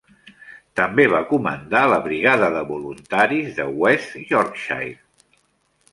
També va comandar la Brigada de Voluntaris de West-Yorkshire.